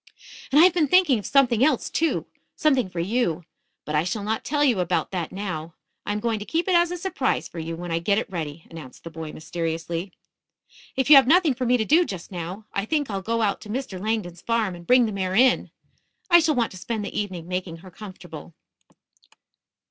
"And I have been thinking of something else, too something for you. But I shall not tell you about that now. I am going to keep it as a surprise for you when I get it ready," announced the boy mysteriously. "If you have nothing for me to do just now, I think I'll go out to Mr. Langdon's farm and bring the mare in. I shall want to spend the evening making her comfortable."